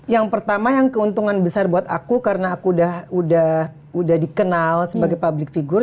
yang pertama yang keuntungan besar buat aku karena aku udah dikenal sebagai public figure